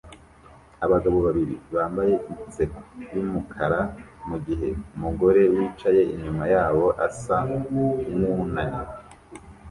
Abagabo babiri bambaye inseko yumukara mugihe umugore wicaye inyuma yabo asa nkunaniwe